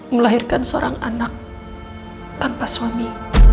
melahirkan seorang anak tanpa suami